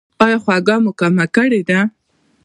ایا خوږه مو کمه کړې ده؟